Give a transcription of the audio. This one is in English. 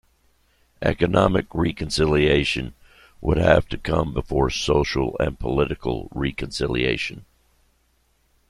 Economic reconciliation would have to come before social and political reconciliation.